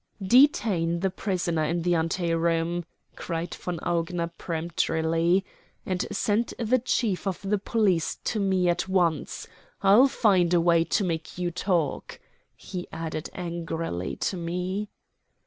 "Detain the prisoner in the ante room," cried von Augener peremptorily; "and send the chief of the police to me at once. I'll find a way to make you talk," he added angrily to me.